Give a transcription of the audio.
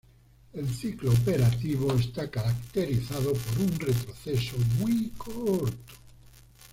El ciclo operativo está caracterizado por un retroceso muy corto.